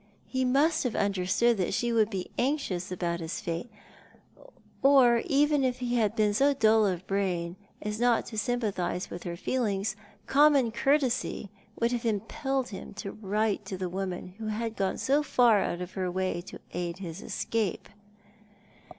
He must have understood that she would be anxious about his fate — or even if he had been so dull of brain as not to sympa thise with her feelings, common courtesy would have impelled him to write to the woman who had gone so far out of her way to aid his escape.